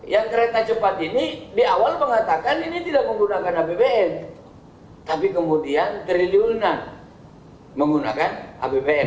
yang kereta cepat ini di awal mengatakan ini tidak menggunakan apbn tapi kemudian triliunan menggunakan apbn